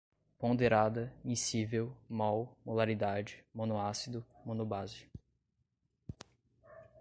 ponderada, miscível, mol, molaridade, monoácido, monobase